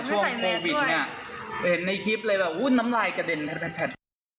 ช่วงโควิดเนี่ยเห็นในคลิปเลยแบบวุ่นน้ำลายกระเด็น